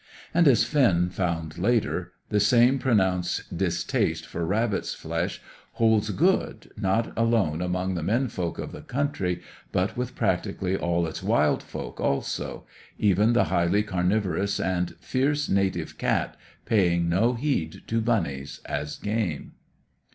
And, as Finn found later, the same pronounced distaste for rabbit's flesh holds good, not alone among the men folk of the country, but with practically all its wild folk, also; even the highly carnivorous and fierce native cat paying no heed to bunnies as game.